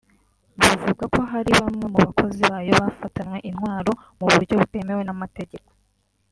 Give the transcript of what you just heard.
buvuga ko hari bamwe mu bakozi bayo bafatanwe intwaro mu buryo butemewe n’amategeko